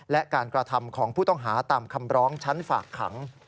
และการกระทำของผู้ต้องหาตามคำร้องชั้นฝากขัง